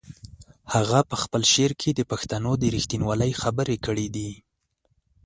هغه په خپل شعر کې د پښتنو د رښتینولۍ خبرې کړې دي.